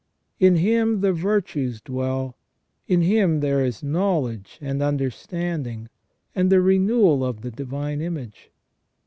In him the virtues dwell, in him there is know ledge and understanding, and the renewal of the divine image.